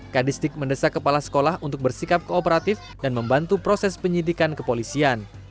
kadistik mendesak kepala sekolah untuk bersikap kooperatif dan membantu proses penyidikan kepolisian